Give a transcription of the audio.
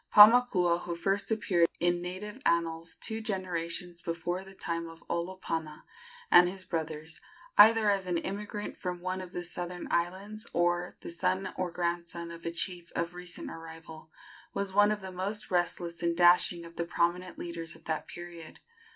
Paumakua, who first appeared in native annals two generations before the time of Olopana and his brothers, either as an immigrant from one of the southern islands or the son or grandson of a chief of recent arrival, was one of the most restless and dashing of the prominent leaders of that period.